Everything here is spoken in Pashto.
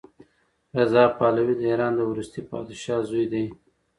رضا پهلوي د ایران د وروستي پادشاه زوی دی.